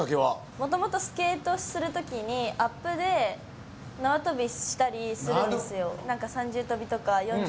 もともとスケートする時にアップで縄跳びしたりするんですよ